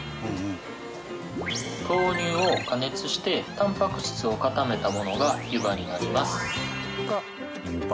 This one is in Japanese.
豆乳を加熱してタンパク質を固めたものが湯葉になります。